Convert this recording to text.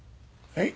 はい。